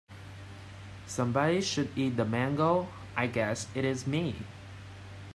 Somebody should eat the mango, I guess it is me.